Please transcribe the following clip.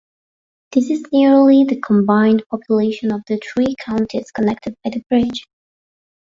This is nearly the combined population of the three counties connected by the bridge.